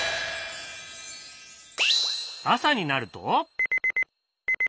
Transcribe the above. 朝になると。